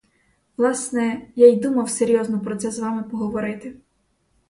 Власне, я й думав серйозно про це з вами поговорити.